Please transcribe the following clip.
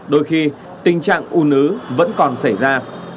đôi khi tình trạng u nứ vẫn còn xảy ra